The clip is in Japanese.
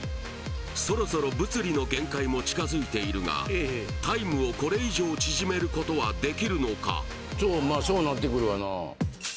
そろそろ物理の限界も近づいているがタイムをこれ以上縮めることはできるのか？